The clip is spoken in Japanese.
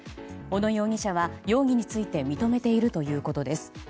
小野容疑者は容疑について認めているということです。